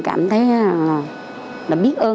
cảm thấy là mình biết ơn các bệnh nhân đó